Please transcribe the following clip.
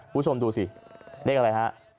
คุณผู้ชมดูสิเลขอะไรฮะ